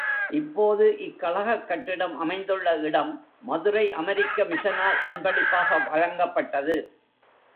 இப்போது இக் கழகக் கட்டிடம் அமைந்துள்ள இடம் மதுரை அமெரிக்க மிஷனால் அன்பளிப்பாக வழங்கப்பட்டது.